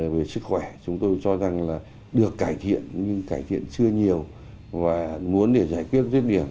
với sức khỏe chúng tôi cho rằng là được cải thiện nhưng cải thiện chưa nhiều và muốn để giải quyết rất nhiều